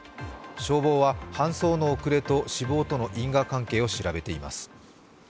消防は搬送の遅れと死亡との因果関係を調べています。